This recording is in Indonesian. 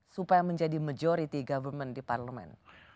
supaya menjadi majority government di parlemen